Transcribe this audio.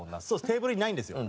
テーブルにないんですよ。